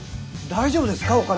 大丈夫ですか？